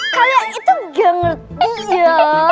kalian itu genglet gitu ya